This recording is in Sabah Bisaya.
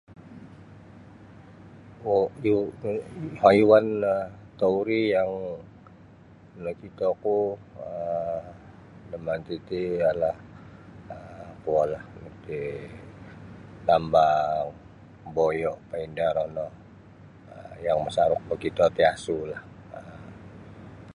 um haiwan tauri yang nakitoku um damati ti ialah kuolah tambang boyo painda kalau yang masaruk makito ti asulah um.